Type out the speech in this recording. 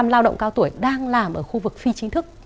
chín mươi lao động cao tuổi đang làm ở khu vực phi chính thức